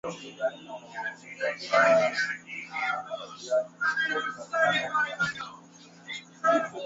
katika taifa hilo linaloandamwa na ugonjwa wa kipindupindu